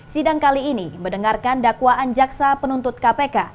sidang kali ini mendengarkan dakwaan jaksa penuntut kpk